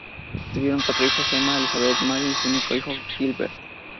Tuvieron cuatro hijos, Emma, Elizabeth, Mary y su único hijo, Gilbert.